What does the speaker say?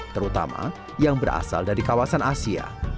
terutama yang berasal dari kawasan asia